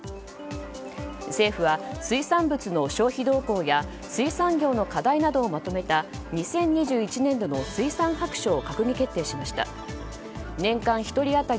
政府は水産物の消費動向や水産業の課題などをまとめた２０２１年度の水産白書を閣議決定しました。